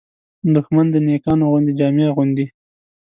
دښمن د نېکانو غوندې جامې اغوندي